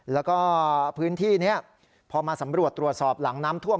แล้วก็พื้นที่นี้พอมาสำรวจตรวจสอบหลังน้ำท่วม